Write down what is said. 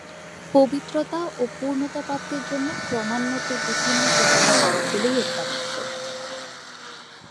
পবিত্রতা ও পূর্ণতাপ্রাপ্তির জন্য ক্রমোন্নতির বিভিন্ন সোপানের সবগুলিই অত্যাবশ্যক।